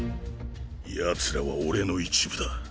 ヤツらは俺の一部だ。